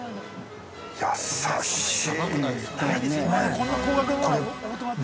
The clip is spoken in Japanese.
◆優しい。